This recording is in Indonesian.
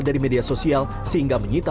dari media sosial sehingga menyita